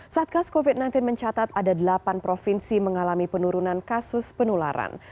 satgas covid sembilan belas mencatat ada delapan provinsi mengalami penurunan kasus penularan